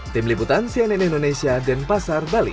tim liputan cnn indonesia dan pasar bali